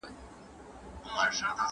له کهاله مي دي راوړي سلامونه